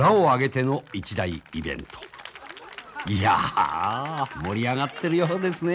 いや盛り上がってるようですね。